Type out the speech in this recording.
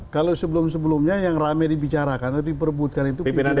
kalau sebelum sebelumnya yang ramai dibicarakan diperbutkan itu pimpinan mpr